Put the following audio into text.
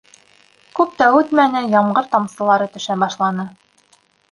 Күп тә үтмәне, ямғыр тамсылары төшә башланы.